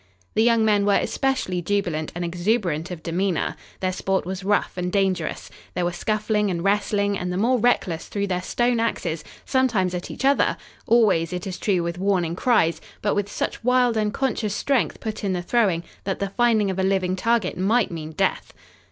The young men were especially jubilant and exuberant of demeanor. Their sport was rough and dangerous. There were scuffling and wrestling and the more reckless threw their stone axes, sometimes at each other, always, it is true, with warning cries, but with such wild, unconscious strength put in the throwing that the finding of a living target might mean death.